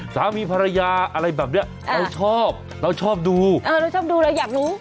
สามีภรรยาอะไรแบบเนี้ยเราชอบเราชอบดูเออเราชอบดูเราอยากรู้